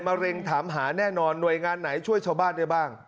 เร็งถามหาแน่นอนหน่วยงานไหนช่วยชาวบ้านได้บ้าง